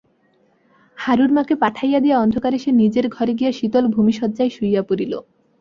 হারুর মাকে পাঠাইয়া দিয়া অন্ধকারে সে নিজের ঘরে গিয়া শীতল ভূমিশয্যায় শুইয়া পড়িল।